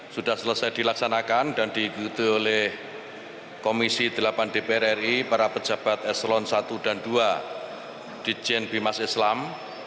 sudah selesai dilaksanakan dan diikuti oleh komisi delapan dpr ri para pejabat eselon satu dan dua di jnb mas islam